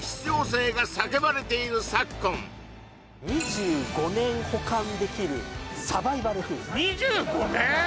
２５年保管できるサバイバルフーズ２５年！？